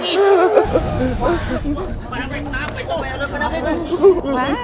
pak rw kenapa itu pak rw kenapa itu